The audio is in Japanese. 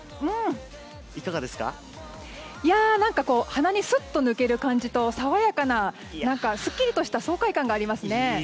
鼻に抜ける感じとすっきりとした爽快感がありますね。